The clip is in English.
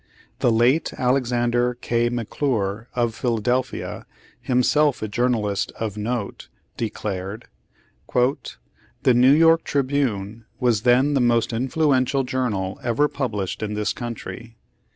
The late Alexander K. McClure, of Philadelphia, himself a journalist of note, declared : '^The Neiv York Tribune was then the most influential journal ever published in this country.